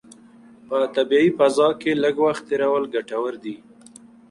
په طبیعي فضا کې لږ وخت تېرول ګټور دي.